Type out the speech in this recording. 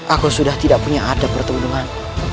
aku sudah tidak punya adat bertemu dengan